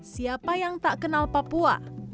siapa yang tak kenal papua